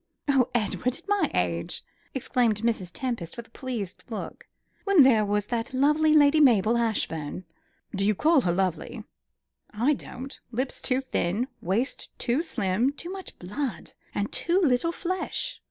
"Oh Edward, at my age!" exclaimed Mrs. Tempest, with a pleased look, "when there was that lovely Lady Mabel Ashbourne." "Do you call her lovely? I don't. Lips too thin; waist too slim; too much blood, and too little flesh."